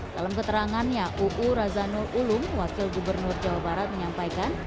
dalam keterangannya uu razanul ulum wakil gubernur jawa barat menyampaikan